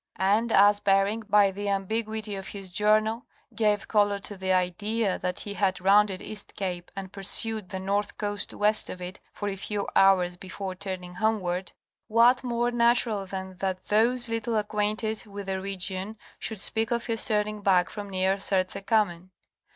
And as Bering, by the ambiguity of his journal, gave color to the idea that he had rounded East Cape and pursued the north coast west of it for a few hours before turning homeward, what more natural than that those little acquainted with the region should speak of his turning back from near Serdze Kamen?